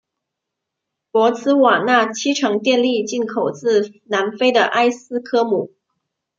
博茨瓦纳七成电力进口自南非的埃斯科姆。